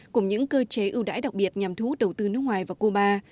cùng những cơ chế ưu đãi đặc biệt nhằm thú đầu tư nước ngoài và cuba